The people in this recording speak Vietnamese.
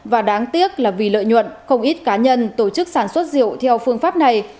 và đáng tiếc là vì lợi nhuận không ít cá nhân tổ chức sản xuất rượu theo phương pháp này